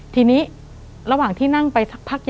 ทีนี้ระหว่างที่นั่งไปสักพัก